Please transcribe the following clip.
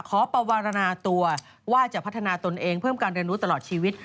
ปวรรณาตัวว่าจะพัฒนาตนเองเพิ่มการเรียนรู้ตลอดชีวิต